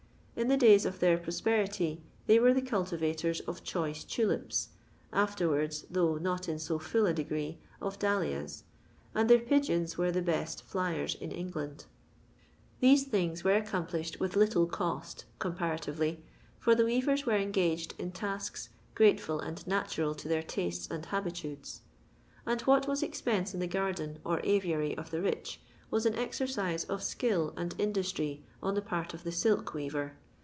In the days of their prosperity they were the cultivaton of choice tulips, afterwards, though not in so full a degree, of dahlias, and their pigeons were the best '*fliefB" in Bngland. These things were 64 LONDON LABOUR AND TEE LONDON POOR, accompluhed with little cost, compantirely, for the weavert were engaged in tasks, grateful and natural to their tastes and habitudes ; and what was expense in the garden or aviary of the rich, was an exercise of skill and industry on the |>art of the silk weaver.